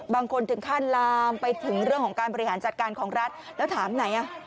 บางคนถึงขั้นลามไปถึงเรื่องของการบริหารจัดการของรัฐแล้วถามไหนอ่ะ